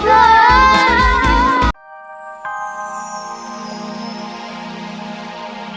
itu kan belum nge subscribe